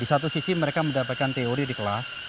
di satu sisi mereka mendapatkan teori di kelas